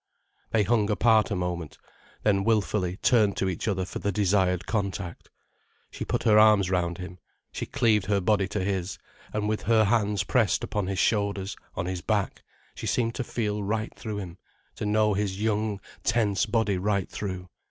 They hung apart a moment, then wilfully turned to each other for the desired contact. She put her arms round him, she cleaved her body to his, and with her hands pressed upon his shoulders, on his back, she seemed to feel right through him, to know his young, tense body right through.